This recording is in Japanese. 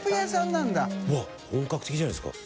うわぁ本格的じゃないですか。